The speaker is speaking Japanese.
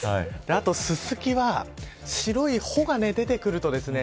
あとススキは白い穂が出てくるとですね